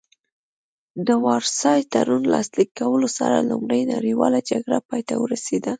د وارسای تړون لاسلیک کولو سره لومړۍ نړیواله جګړه پای ته ورسیده